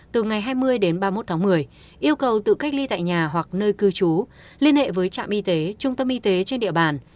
từ ngày hai mươi đến ba mươi một tháng một mươi yêu cầu tự cách ly tại nhà hoặc nơi cư trú liên hệ với trạm y tế trung tâm y tế trên địa bàn